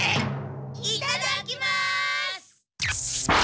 いただきます！